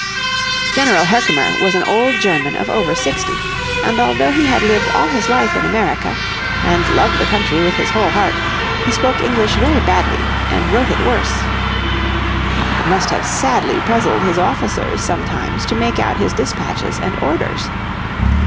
General Herkimer was an old German of over sixty, and although he had lived all his life in America, and loved the country with his whole heart, he spoke English very badly, and wrote it worse. It must have sadly puzzled his officers sometimes to make out his dispatches and orders.